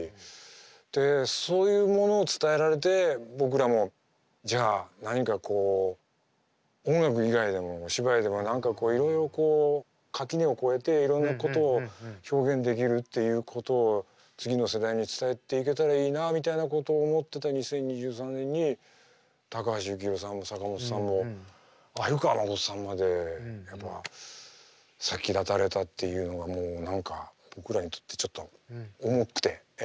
でそういうものを伝えられて僕らもじゃあ何かこう音楽以外でもお芝居でも何かこういろいろ垣根を越えていろんなことを表現できるっていうことを次の世代に伝えていけたらいいなみたいなことを思ってた２０２３年に高橋幸宏さんも坂本さんも鮎川誠さんまでやっぱ先立たれたっていうのがもう何か僕らにとってちょっと重くて。